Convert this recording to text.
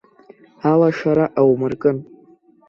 Алашара аумыркын.